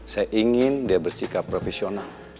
saya ingin dia bersikap profesional